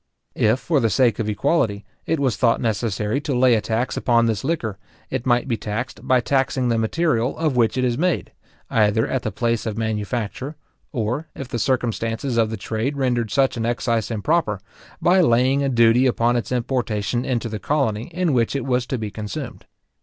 If, for the sake of equality, it was thought necessary to lay a tax upon this liquor, it might be taxed by taxing the material of which it is made, either at the place of manufacture, or, if the circumstances of the trade rendered such an excise improper, by laying a duty upon its importation into the colony in which it was to be consumed.